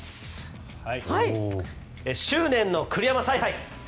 執念の栗山采配。